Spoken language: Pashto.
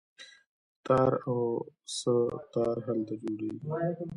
تار او سه تار هلته جوړیږي.